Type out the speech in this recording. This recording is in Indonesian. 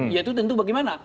yaitu tentu bagaimana